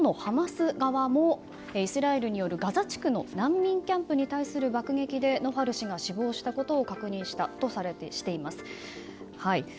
一方のハマス側もイスラエルによるガザ地区の難民キャンプに対する爆撃でノファル氏が死亡したことを確認したとしています。